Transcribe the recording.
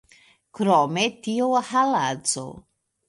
Krom tio haladzo!